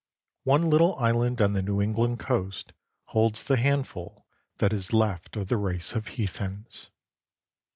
One little island on the New England coast holds the handful that is left of the race of heath hens.